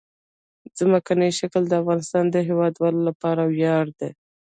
ځمکنی شکل د افغانستان د هیوادوالو لپاره ویاړ دی.